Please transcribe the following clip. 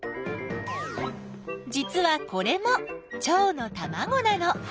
じつはこれもチョウのたまごなの。